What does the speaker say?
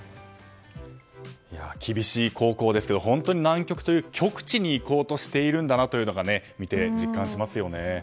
厳しい航行ですけど本当に南極という極地に行こうとしているんだなというのが見て実感しますよね。